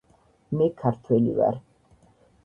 მე ქართველი ვარ